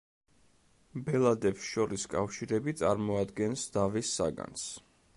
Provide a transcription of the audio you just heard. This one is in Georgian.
ბელადებს შორის კავშირები წარმოადგენს დავის საგანს.